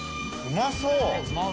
うまそう。